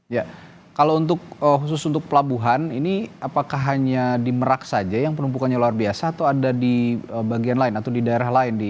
ya kalau untuk khusus untuk pelabuhan ini apakah hanya di merak saja yang penumpukannya luar biasa atau ada di bagian lain atau di daerah lain